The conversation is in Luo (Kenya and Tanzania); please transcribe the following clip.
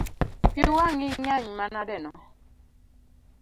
Pi wang’i ngeny manadeno?